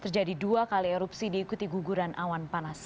terjadi dua kali erupsi diikuti guguran awan panas